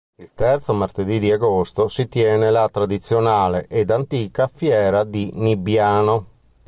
Il terzo martedì di agosto si tiene la tradizionale ed antica Fiera di Nibbiano.